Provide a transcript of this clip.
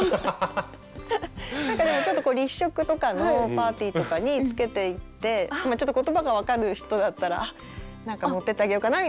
なんかでもちょっと立食とかのパーティーとかにつけていってちょっと言葉が分かる人だったらなんか持ってってあげようかなみたいな。